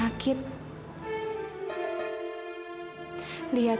aku mau berjalan